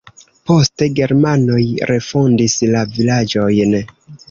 Poste germanoj refondis la vilaĝojn.